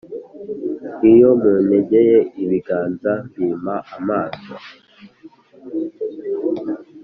Iyo muntegeye ibiganza, mbima amaso;